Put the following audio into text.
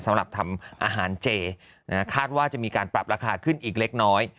สำหรับทำอาหารเจคาดว่าจะมีการปรับราคาขึ้นอีกเล็กน้อย